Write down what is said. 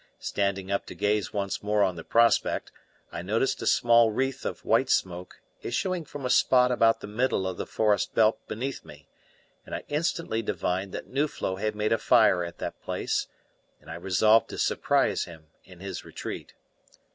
Standing up to gaze once more on the prospect, I noticed a small wreath of white smoke issuing from a spot about the middle of the forest belt beneath me, and I instantly divined that Nuflo had made a fire at that place, and I resolved to surprise him in his retreat.